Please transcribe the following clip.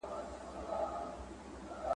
ژوره ساه ذهن اراموي.